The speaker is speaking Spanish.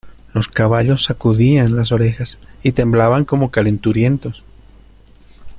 los caballos sacudían las orejas y temblaban como calenturientos.